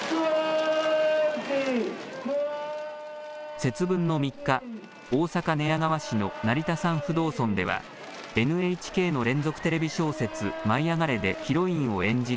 節分の３日、大阪・寝屋川市の成田山不動尊では、ＮＨＫの連続テレビ小説、舞いあがれ！でヒロインを演じる